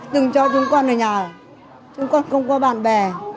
từng cho chúng con ở nhà chúng con không có bạn bè